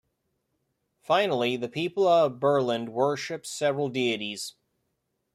Finally, the people of Burland worship several deities.